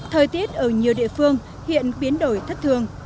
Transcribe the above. thời tiết ở nhiều địa phương hiện biến đổi thất thường